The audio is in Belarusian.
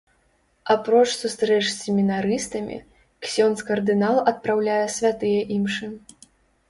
Апроч сустрэч з семінарыстамі, ксёндз кардынал адпраўляе святыя імшы.